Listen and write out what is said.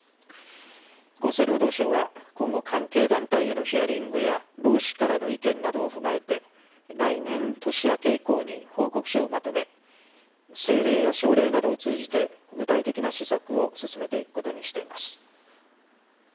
厚生労働省は今後、関係団体へのヒアリングや労使からの意見などを踏まえて来年年明け以降に報告書をまとめ政令や省令などを通じて具体的な施策を進めていくことにしています。